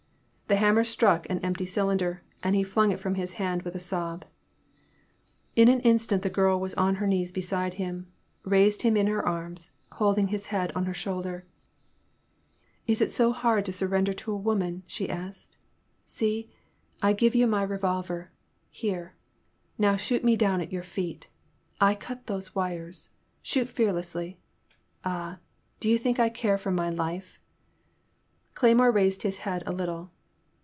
The hammer struck an empty cylinder, and he flung it from him with a sob. In an instant the girl was on her knees beside him, raised him in her arms, holding his head on her shoulder. '^ Is it so hard to surrender to a woman ?" she Z5 226 In the Name of the Most High. asked, see, I give you my revolver — ^here — now shoot me down at your feet ! I cut those wires ! Shoot fearlessly — ^Ah, do you think I care for my life?'' Cleymore raised his head a little.